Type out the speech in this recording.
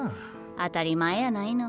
当たり前やないの。